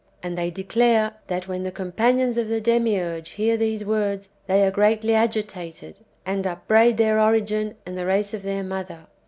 And they declare, that when the companions of the Demiurge hear these words, they are greatly agitated, and upbraid their origin and the race of their mother.